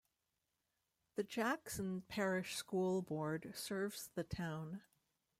The Jackson Parish School Board serves the town.